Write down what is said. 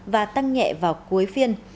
và tăng nhẹ vào cuối phiên